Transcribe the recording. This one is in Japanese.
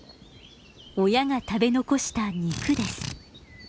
親が食べ残した肉です。